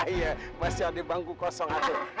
iya masih ada bangku kosong